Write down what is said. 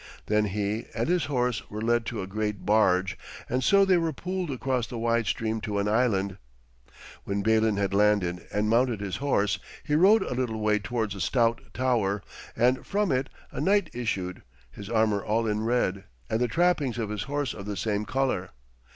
Then he and his horse were led to a great barge, and so they were poled across the wide stream to an island. When Balin had landed and mounted his horse, he rode a little way towards a stout tower, and from it a knight issued, his armour all in red, and the trappings of his horse of the same colour.